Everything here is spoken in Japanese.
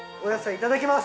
いただきます。